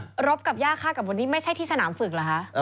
เดี๋ยวลบกับหญ้าข้ากระมดนี้ไม่ใช่ที่สนามฝึกเหรอฮะ